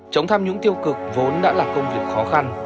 chống tham nhũng tiêu cực vốn đã là công việc khó khăn